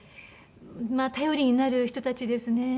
まあ頼りになる人たちですね。